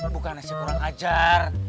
bukannya saya kurang ajar